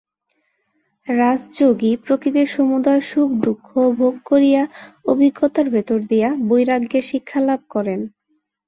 রাজযোগী প্রকৃতির সমুদয় সুখদুঃখ ভোগ করিয়া অভিজ্ঞতার ভিতর দিয়া বৈরাগ্যের শিক্ষা লাভ করেন।